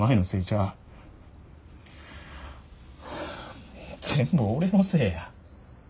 あ全部俺のせいや。